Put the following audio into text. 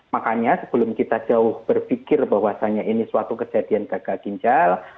makanya sebelum kita jauh berpikir bahwasannya ini suatu kejadian gagal ginjal